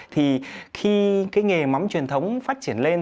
thì khi cái nghề mắm truyền thống phát triển lên